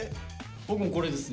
僕もうこれです。